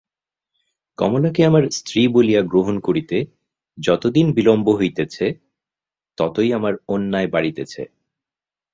কমলাকে আমার স্ত্রী বলিয়া গ্রহণ করিতে যতদিন বিলম্ব হইতেছে ততই আমার অন্যায় বাড়িতেছে।